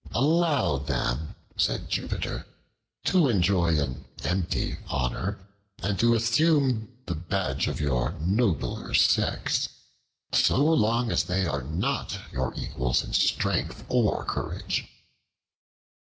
"Allow them," said Jupiter, "to enjoy an empty honor and to assume the badge of your nobler sex, so long as they are not your equals in strength or courage."